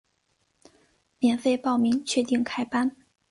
免费报名，确定开班